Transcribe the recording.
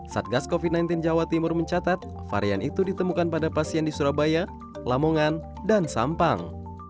satgas covid sembilan belas jawa timur mencatat varian itu ditemukan pada pasien di surabaya lamongan dan sampang